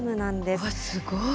すごい。